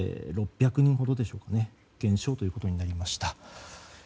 ６００人ほどでしょうか減少ということになりました。